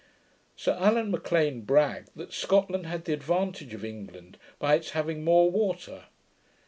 Sir Allan M'Lean bragged, that Scotland had the advantage of England, by its having more water.